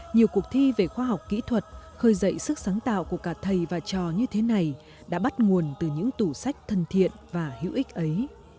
nhiều cuộc thi về khoa học kỹ thuật khơi dậy sức sáng tạo của cả thầy và trò như thế này đã bắt nguồn từ những tủ sách thân thiện và hữu ích ấy